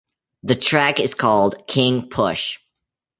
The track is called "King Push".